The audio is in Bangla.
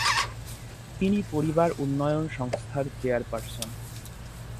তিনি পরিবার উন্নয়ন সংস্থার চেয়ারপার্সন।